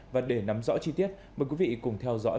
và để nắm rõ chi tiết mời quý vị cùng theo dõi